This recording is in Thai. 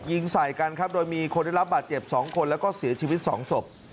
ยิงใส่กันครับโดยมีคนได้รับบาดเจ็บ๒คนแล้วก็เสียชีวิต๒ศพ